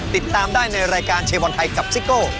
ติดตามได้ในรายการเชียร์บอลไทยกับซิโก้